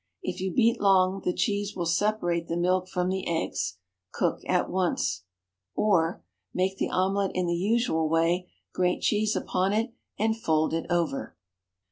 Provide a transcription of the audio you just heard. If you beat long the cheese will separate the milk from the eggs. Cook at once. Or, Make the omelette in the usual way; grate cheese upon it and fold it over.